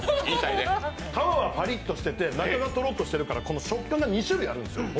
皮はパリッとしてて中がトロッとしているからこの食感が２種類あるんですよ。